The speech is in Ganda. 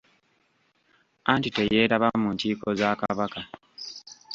Anti teyeetaba mu nkiiko za Kabaka.